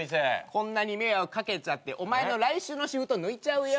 こんなに迷惑掛けちゃってお前の来週のシフト抜いちゃうよ。